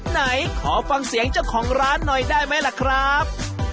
ไหนขอฟังเสียงเจ้าของร้านหน่อยได้ไหมล่ะครับ